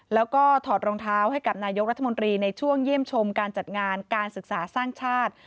แล้วก็ถอดรองเท้าให้กับนายกรัฐมนตรีในช่วงเยี่ยมชมการจัดงานการศึกษาสร้างชาติ